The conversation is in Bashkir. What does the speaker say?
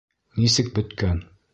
Нисек бөткән?